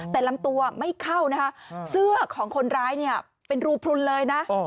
แต่ลำตัวไม่เข้านะคะเสื้อของคนร้ายเนี่ยเป็นรูพลุนเลยนะ